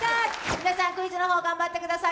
皆さんクイズの方頑張ってください。